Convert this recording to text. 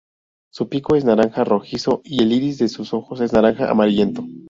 Su pico es naranja rojizo y el iris de sus ojos es naranja amarillento.